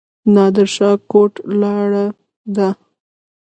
نادر شاه کوټ لاره ده؟